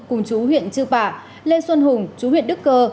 cùng chú huyện chư pả lê xuân hùng chú huyện đức cơ